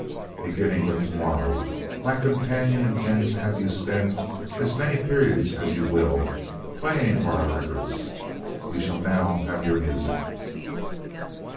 Beginning with tomorrow, my companion intends to have you spend as many periods as you will, playing for our records. We shall now have your music."